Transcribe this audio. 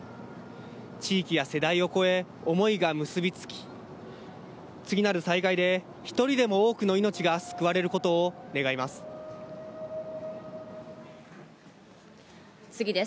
地域や世代を超え、思いが結びつき、次なる災害で１人でも多くの命が救われる事を願います。